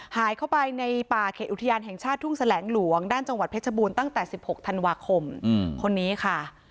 หายเข้าไปในป่าเขตอุทยานแห่งชาติทุ่งแสลงหลวงด้านจังหวัดเพชรบูรณ์ตั้งแต่๑๖ธันวาคมคนนี้ค่ะ